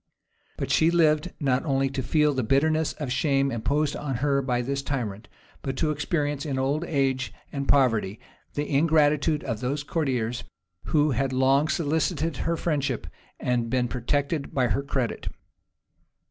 But she lived not only to feel the bitterness of shame imposed on her by this tyrant, but to experience, in old age and poverty, the ingratitude of those courtiers who had long solicited her friendship, and been protected by her credit.